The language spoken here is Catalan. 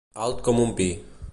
Alt com un pi.